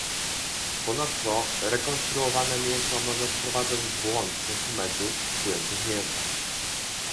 Ponadto rekonstruowane mięso może wprowadzać w błąd konsumentów kupujących mięso